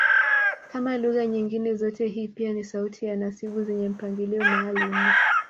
Kama lugha nyingine zote hii pia ni sauti za nasibu zenye mpangilio maalumu